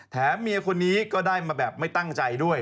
เมียคนนี้ก็ได้มาแบบไม่ตั้งใจด้วย